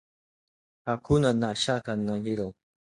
Hakuwa na shaka na hilo